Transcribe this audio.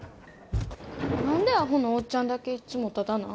何でアホのおっちゃんだけいつもタダなん？